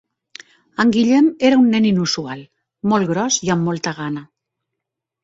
En Guillem era un nen inusual, molt gros i amb molta gana.